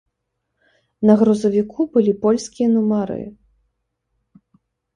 На грузавіку былі польскія нумары.